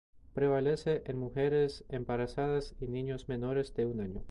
Prevalece en mujeres embarazadas y niños menores de un año.